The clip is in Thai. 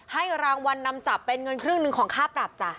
ให้รางวัลนำจับเป็นเงินครึ่งหนึ่งของค่าปรับจ้ะ